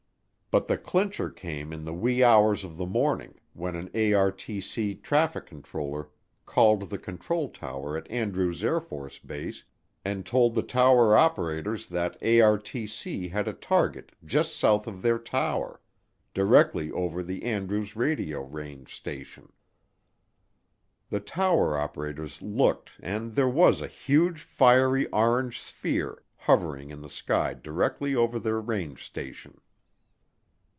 But the clincher came in the wee hours of the morning, when an ARTC traffic controller called the control tower at Andrews AFB and told the tower operators that ARTC had a target just south of their tower, directly over the Andrews Radio range station. The tower operators looked and there was a "huge fiery orange sphere" hovering in the sky directly over their range station.